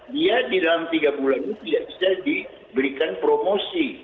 dia di dalam tiga bulan itu tidak bisa diberikan promosi